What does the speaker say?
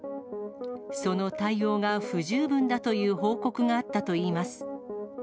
その対応が不十分だという報告があったといいます。